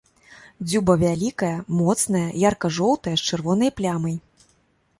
Дзюба вялікая, моцная, ярка-жоўтая з чырвонай плямай.